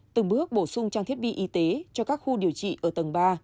từng bước bổ sung trang thiết bị y tế cho các khu điều trị ở tầng ba